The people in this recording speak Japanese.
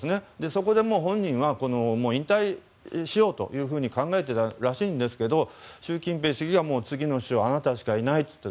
そこで本人はもう引退しようと考えていたらしいんですけど習近平国家主席が次の首相はあなたしかいないと。